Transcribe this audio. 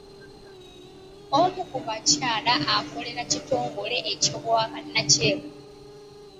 Omu ku bakyala akolera kitongole eky'obwannakyewa.